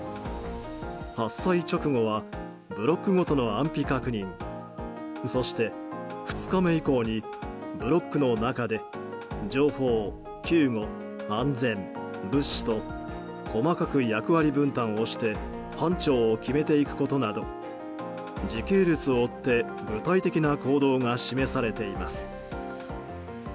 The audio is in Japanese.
発災直後はブロックごとの安否確認そして、２日目以降にブロックの中で情報、救護、安全、物資と細かく役割分担をして班長を決めていくことなど時系列を追って具体的な行動が示されています。